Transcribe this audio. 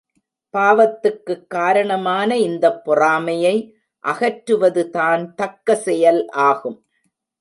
பாவத்துக்குக் காரணமான இந்தப் பொறாமையை அகற்றுவதுதான் தக்க செயல் ஆகும்.